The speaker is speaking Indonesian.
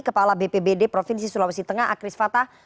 kepala bpbd provinsi sulawesi tengah akris fatah